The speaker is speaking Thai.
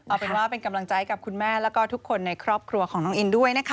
เอาเป็นว่าเป็นกำลังใจกับคุณแม่แล้วก็ทุกคนในครอบครัวของน้องอินด้วยนะคะ